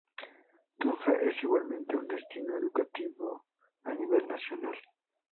Tunja es igualmente un destino educativo a nivel nacional.